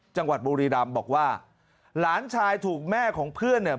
จังหวัดบุรีรำบอกว่าหลานชายถูกแม่ของเพื่อนเนี่ย